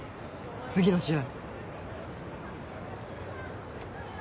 次の試合。